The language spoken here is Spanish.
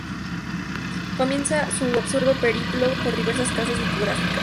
Comienza su absurdo periplo por diversas casas discográficas.